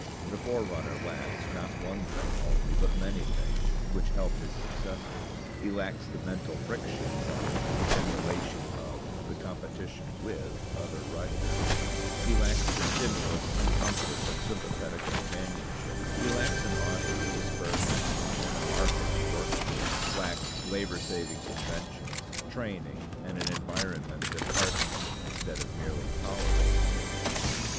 The forerunner lacks not one thing only, but many things, which help his successors. He lacks the mental friction from, the emulation of, the competition with, other writers; he lacks the stimulus and comfort of sympathetic companionship; he lacks an audience to spur him on, and a market to work for; lacks labor saving conventions, training, and an environment that heartens him instead of merely tolerating him.